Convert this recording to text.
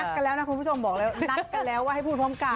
กันแล้วนะคุณผู้ชมบอกแล้วนัดกันแล้วว่าให้พูดพร้อมกัน